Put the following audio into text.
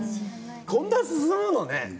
こんな進むのね。